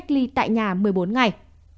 lại nhà một mươi bốn ngày